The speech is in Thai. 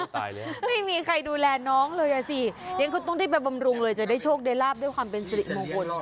ไม่มีใครดูแลน้องเลยอ่ะสิยังต้องที่ไปบำรุงเลยจะได้โชคเดราปด้วยความเป็นสริมงคล